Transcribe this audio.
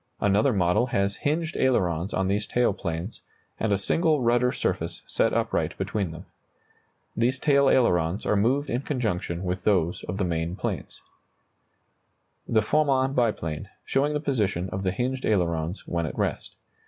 Another model has hinged ailerons on these tail planes, and a single rudder surface set upright between them. These tail ailerons are moved in conjunction with those of the main planes. [Illustration: The Farman biplane, showing the position of the hinged ailerons when at rest.